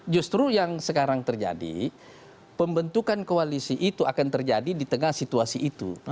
justru yang sekarang terjadi pembentukan koalisi itu akan terjadi di tengah situasi itu